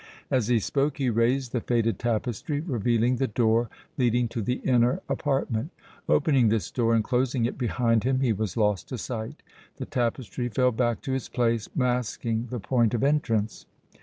As he spoke he raised the faded tapestry, revealing the door leading to the inner apartment; opening this door and closing it behind him he was lost to sight; the tapestry fell back to its place, masking the point of entrance.